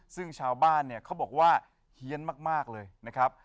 ซึ่งชาวบ้านเนี่ยเขาบอกว่าเฮียนมากเลยนะครับ